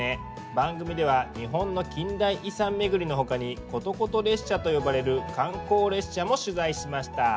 番組では日本の近代遺産巡りのほかにことこと列車と呼ばれる観光列車も取材しました。